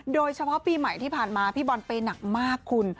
โดยเฉพาะปีใหม่ที่ผ่านมาพี่บอลไปหนักมากคุณ